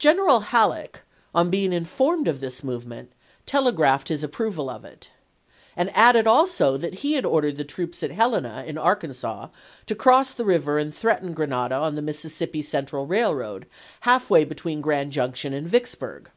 General Halleck, on being informed of this movement, tele graphed his approval of it, and added also that he had ordered the troops at Helena, in Arkansas, to cross the river and threaten Grenada on the Mis sissippi Central Railroad, half way between Grand Junction and Yicksburg.